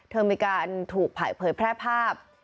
เธอมีการถูกเผยแพร่ภาพ